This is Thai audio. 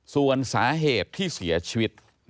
ส่วนสาเหตุที่เสียชีวิต